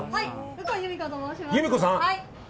右近由美子といいます。